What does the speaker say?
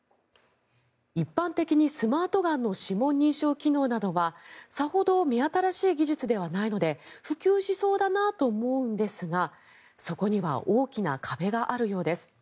一般的にスマートガンの指紋認証機能などはさほど目新しい技術ではないので普及しそうだなと思うんですがそこには大きな壁があるようです。